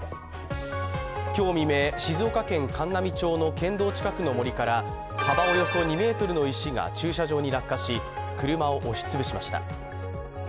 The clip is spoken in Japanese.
今日未明、静岡県函南町の県道近くの森から幅およそ２ｍの石が駐車場に落下し、車を押し潰しました。